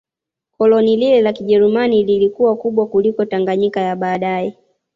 Koloni lile la Kijerumani lilikuwa kubwa kuliko Tanganyika ya baadae